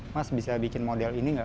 mas bisa bikin model ini nggak